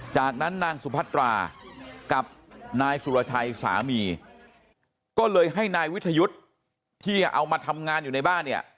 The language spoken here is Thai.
จากนั้นนางสุพัตรากับนายสุรชัยสามีก็เลยให้นายวิทยุทธ์ที่เอามาทำงานอยู่ในบ้านเนี่ย